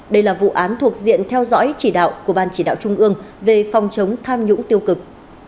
đây là vụ án thuộc diện theo dõi chỉ đạo của ban chỉ đạo trung ương về phòng chống tham nhũng tiêu cực